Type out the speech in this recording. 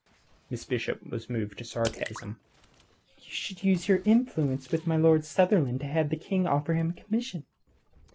Miss Bishop was moved to sarcasm. "You should use your influence with my Lord Sunderland to have the King offer him a commission."